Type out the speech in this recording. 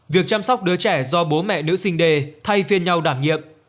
việc chăm sóc đứa trẻ do bố mẹ nữ sinh đề thay phiên nhau đảm nhiệm